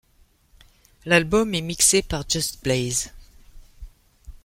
L'album est mixé par Just Blaze.